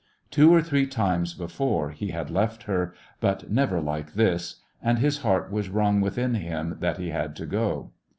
Two or three times before he had left her, but never like this, and his heart was wrung within him that he had to go.